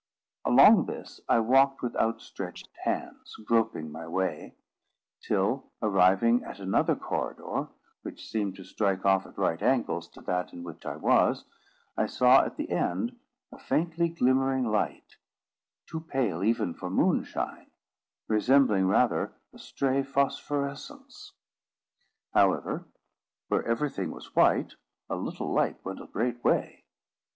Along this I walked with outstretched hands, groping my way, till, arriving at another corridor, which seemed to strike off at right angles to that in which I was, I saw at the end a faintly glimmering light, too pale even for moonshine, resembling rather a stray phosphorescence. However, where everything was white, a little light went a great way.